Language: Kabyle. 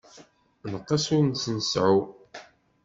Nneqs ur t-nseεεu.